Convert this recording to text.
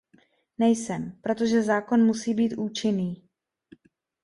Nejsem, protože zákon musí být účinný.